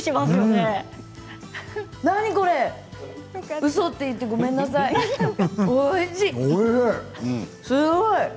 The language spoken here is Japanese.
すごい。